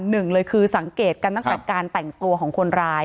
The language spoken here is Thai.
หนึ่งเลยคือสังเกตกันตั้งแต่การแต่งตัวของคนร้าย